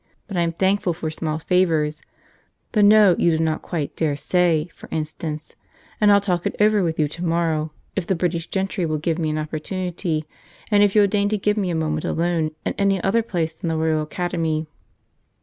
But I am thankful for small favours (the 'no' you do not quite dare say, for instance), and I'll talk it over with you to morrow, if the British gentry will give me an opportunity, and if you'll deign to give me a moment alone in any other place than the Royal Academy."